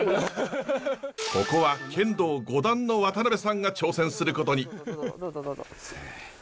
ここは剣道５段の渡辺さんが挑戦することに。